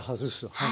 はい。